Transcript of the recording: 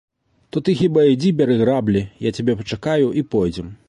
То ты хіба ідзі бяры граблі, я цябе пачакаю і пойдзем.